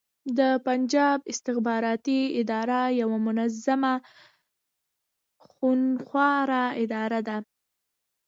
د پنجاب استخباراتې اداره يوه ظالمه خونښواره اداره ده